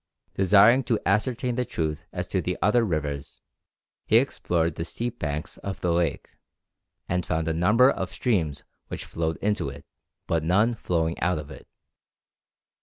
Desiring to ascertain the truth as to the other rivers, he explored the steep banks of the lake, and found a number of streams which flowed into it, but none flowing out of it.